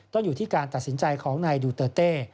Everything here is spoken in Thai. ต้องอยู่ที่การตัดสินใจของนายดูเตอร์เต้